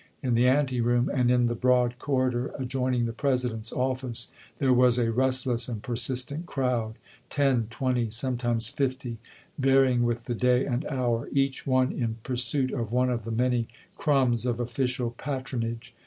In the anteroom and in the broad corridor adjoin ing the President's office there was a restless and persistent crowd, — ten, twenty, sometimes fifty, varying with the day and hour, — each one in pur suit of one of the many crumbs of official patron age.